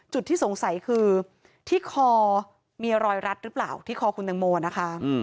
จุดที่สงสัยคือที่คอมีรอยรัดหรือเปล่าที่คอคุณตังโมนะคะ